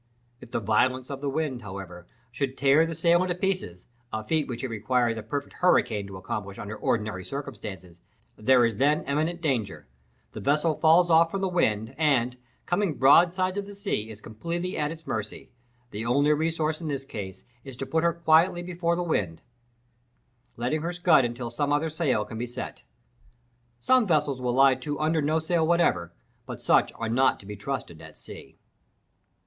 If the violence of the wind, however, should tear the sail into pieces (a feat which it requires a perfect hurricane to accomplish under ordinary circumstances), there is then imminent danger. The vessel falls off from the wind, and, coming broadside to the sea, is completely at its mercy: the only resource in this case is to put her quietly before the wind, letting her scud until some other sail can be set. Some vessels will lie to under no sail whatever, but such are not to be trusted at sea.